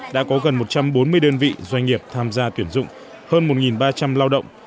đã có gần một trăm bốn mươi đơn vị doanh nghiệp tham gia tuyển dụng hơn một ba trăm linh lao động